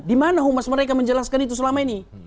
di mana humas mereka menjelaskan itu selama ini